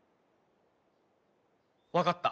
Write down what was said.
わかった。